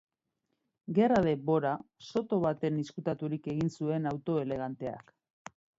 Gerra denbora, soto batean izkutaturik egin zuen auto eleganteak.